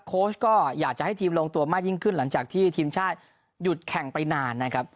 โค้ชก็อยากจะให้ทีมลงตัวมากยิ่งขึ้นหลังจากที่ทีมชาติหยุดแข่งไปนานนะครับ